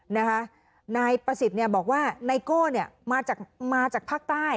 นายประสิทธิ์เนี่ยบอกว่าไนโก้เนี่ยมาจากมาจากภาคใต้